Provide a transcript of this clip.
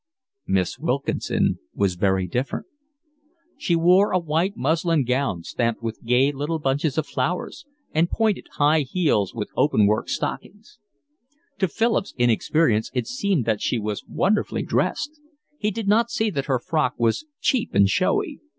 Miss Wilkinson was very different. She wore a white muslin gown stamped with gay little bunches of flowers, and pointed, high heeled shoes, with open work stockings. To Philip's inexperience it seemed that she was wonderfully dressed; he did not see that her frock was cheap and showy.